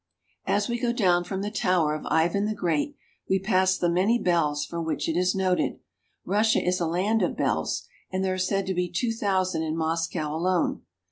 As we go down from the Tower of Ivan the Great, we pass the many bells for which it is noted. Russia is a land of bells, and there are said to be two thousand in Moscow alone.